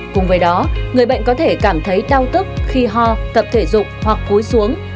cùng với đó người bệnh có thể cảm thấy đau tức khi ho tập thể dục hoặc cúi xuống